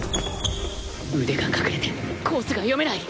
腕が隠れてコースが読めない！